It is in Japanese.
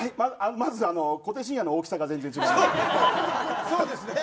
まず小手伸也の大きさが全然違う。